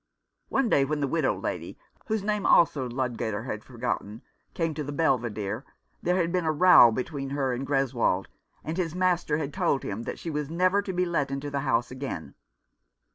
One day when the widow lady, whose name also Ludgater had forgotten, 273 t Rough Justice. came to the Belvidere, there had been a row between her and Greswold, and his master had told him that she was never to be let into the house again.